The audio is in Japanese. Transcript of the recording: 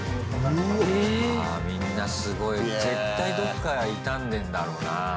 あ、みんなすごい絶対どっか痛んでんだろうな。